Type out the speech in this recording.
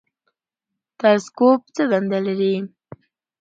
تلسکوپ څه دنده لري؟